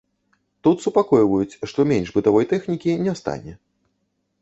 Тут супакойваюць, што менш бытавой тэхнікі не стане.